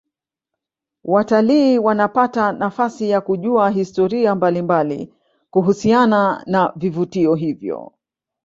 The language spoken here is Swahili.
watalii wanapata nafasi ya kujua historia mbalimbali kuhusiana na vivutio hivyo